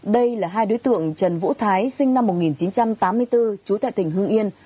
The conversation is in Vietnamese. đây là hai đối tượng trần vũ thái sinh năm một nghìn chín trăm tám mươi bốn trú tại tỉnh hương yên